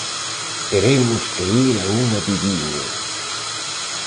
Teremos que ir a un adiviño.